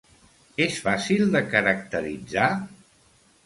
És fàcil de caracteritzar?